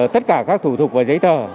tất cả các thủ thuật và giấy tờ